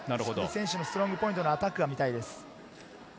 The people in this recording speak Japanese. ストロングポイントのアタックが見たいです。